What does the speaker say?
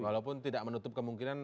walaupun tidak menutup kemungkinan